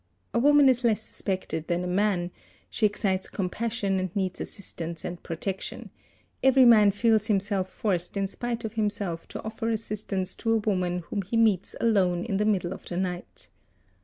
A woman is less ~ suspected than a man, she excites compassion and needs assistance and | protection; every man feels himself forced in spite of himself to offer assistance to a woman whom he meets alone in the middle of the night.